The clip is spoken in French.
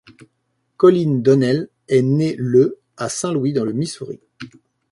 Colin Donnell est né le à Saint-Louis dans le Missouri.